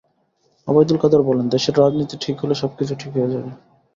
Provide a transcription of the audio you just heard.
ওবায়দুল কাদের বলেন, দেশের রাজনীতি ঠিক হলে সবকিছু ঠিক হয়ে যাবে।